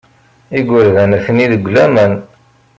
Igerdan atni deg laman.